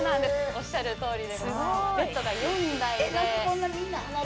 おっしゃるとおり。